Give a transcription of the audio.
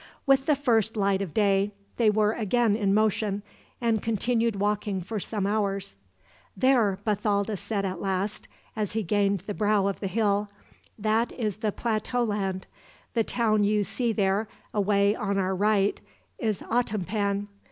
With the first light of day they were again in motion, and continued walking for some hours. "There," Bathalda said at last, as he gained the brow of the hill, "that is the plateau land. The town you see there, away on our right, is Otompan.